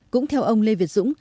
cũng theo ông lê việt dũng